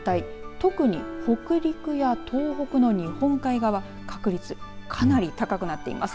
特に北陸や東北の日本海側確率、かなり高くなっています。